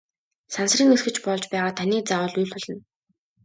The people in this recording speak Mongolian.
Сансрын нисэгч болж байгаад таныг заавал уйлуулна!